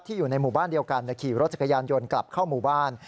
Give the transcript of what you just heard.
อยู่ในหมู่บ้านเดียวกันขี่รถจักรยานยนต์กลับเข้าหมู่บ้าน